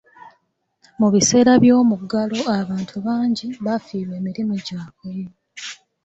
Mu biseera by'omuggalo, abantu bangi baafiirwa emirimu gyabwe.